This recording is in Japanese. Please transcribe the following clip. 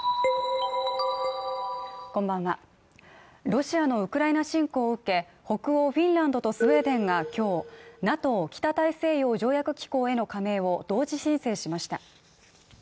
ロシアのウクライナ侵攻を受け北欧フィンランドとスウェーデンが今日、ＮＡＴＯ＝北大西洋条約機構への加盟を同時申請しました。